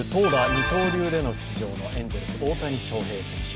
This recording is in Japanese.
二刀流での出場のエンゼルス・大谷翔平選手。